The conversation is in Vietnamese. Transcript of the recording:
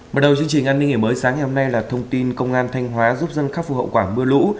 mở đầu chương trình an ninh ngày mới sáng ngày hôm nay là thông tin công an thanh hóa giúp dân khắc phục hậu quả mưa lũ